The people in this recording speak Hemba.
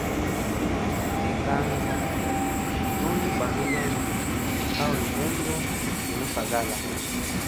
Ekanza tuli ba lugendo, ndauli mundu limusagala.